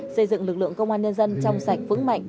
xây dựng lực lượng công an nhân dân trong sạch vững mạnh